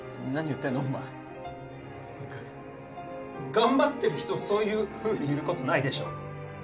頑張ってる人をそういうふうに言うことないでしょ